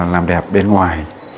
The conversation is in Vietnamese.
làm đẹp bên ngoài